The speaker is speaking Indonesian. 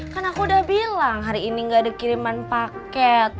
kan aku udah bilang hari ini gak ada kiriman paket